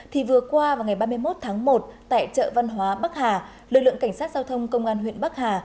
thì vừa qua vào ngày ba mươi một tháng một tại chợ văn hóa bắc hà lực lượng cảnh sát giao thông công an huyện bắc hà